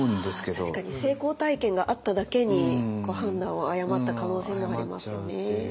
確かに成功体験があっただけに判断を誤った可能性もありますよね。